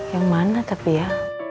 yang mana tapi ya